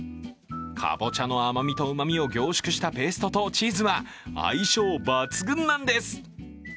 かぼちゃの甘みとうまみを凝縮したペーストとチーズは相性抜群なんです。